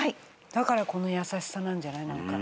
だからこの優しさなんじゃない？